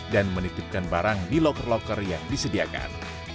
dan menitipkan barang di locker locker yang disediakan